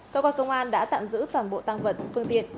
cơ quan công an đã tạm giữ toàn bộ tăng vật phương tiện